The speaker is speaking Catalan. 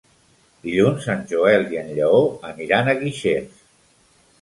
Dilluns en Joel i en Lleó aniran a Guixers.